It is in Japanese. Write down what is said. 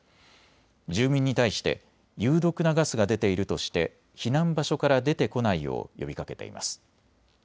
住民に対して有毒なガスが出ているとして避難場所から出てこないよう呼びかけています。